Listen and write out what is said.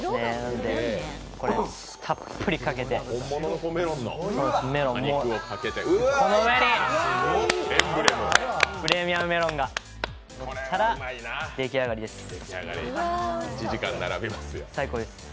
たっぷりかけて、メロンもこの上にプレミアムメロンがのったら出来上がりです、最高です。